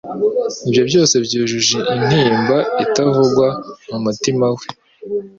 ibyo byose byujuje intimba itavugwa mu mutima we.